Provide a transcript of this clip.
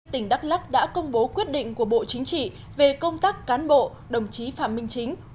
tỉnh đắk lắc đã công bố quyết định của bộ chính trị về công tác cán bộ đồng chí phạm minh chính